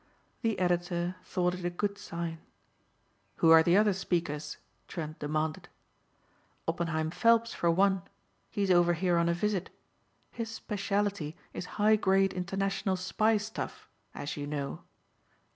The editor thought it a good sign. "Who are the other speakers?" Trent demanded. "Oppenheim Phelps for one. He's over here on a visit. His specialty is high grade international spy stuff, as you know.